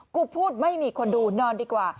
กูพูดไม่มีคนดูนอนดีกว่า